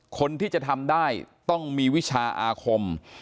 คนที่จะทำได้ต้องมีวิชาอาคม